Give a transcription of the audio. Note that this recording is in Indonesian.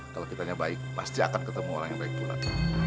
kalau kitanya baik pasti akan ketemu orang yang baik bulat